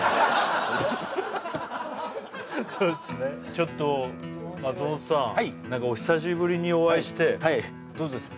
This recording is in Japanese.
ちょっと松本さん何かお久しぶりにお会いしてどうですか？